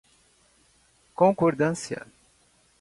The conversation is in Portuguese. concordância